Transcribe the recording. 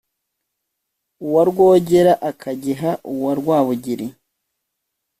uwa rwógéra akagiha uwa rwábugiri